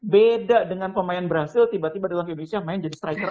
beda dengan pemain brazil tiba tiba datang ke indonesia main jadi striker